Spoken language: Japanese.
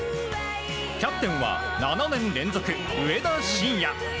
キャプテンは７年連続上田晋也。